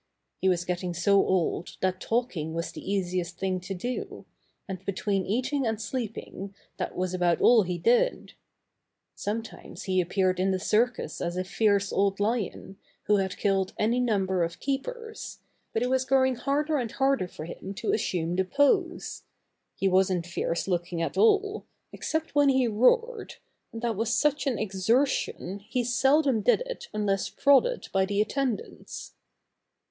He was getting so old that talking was the easiest thing to do, and between eating and sleeping that was about all he did. Sometimes he appeared in the circus as a fierce old lion, who had killed any number of keepers, but it was grow ing harder and harder for him to assume the pose. He wasn't fierce looking at all, except when he roared, and that was such an exertion he seldom did it unless prodded by the attend ants.